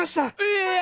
ええ！